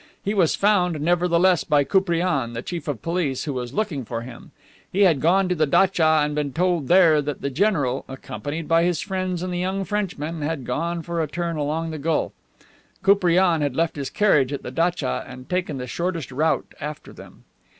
He was found, nevertheless, by Koupriane, the Chief of Police, who was looking for him. He had gone to the datcha and been told there that the general, accompanied by his friends and the young Frenchman, had gone for a turn along the gulf. Koupriane had left his carriage at the datcha, and taken the shortest route after them.